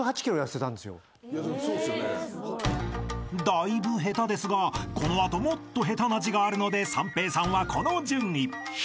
［だいぶ下手ですがこの後もっと下手な字があるので三平さんはこの順位］